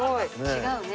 違うね。